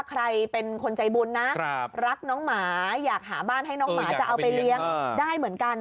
ใครเป็นคนใจบุญนะรักน้องหมาอยากหาบ้านให้น้องหมาจะเอาไปเลี้ยงได้เหมือนกัน